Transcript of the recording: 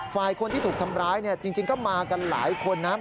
ฝ่ายคนที่ถูกทำร้ายเนี่ยจริงก็มากันหลายคนนะครับ